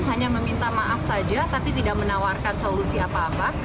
hanya meminta maaf saja tapi tidak menawarkan solusi apa apa